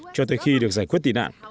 cho tới khi được giải quyết tị nạn